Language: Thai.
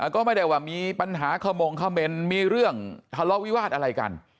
ก็ไม่ได้ว่ามีปัญหาขมงเขม่นมีเรื่องทะเลาะวิวาสอะไรกัน